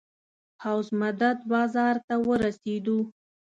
حوض مدد بازار ته ورسېدو.